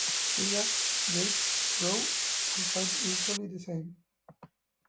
They act, breed, grow and fight virtually the same.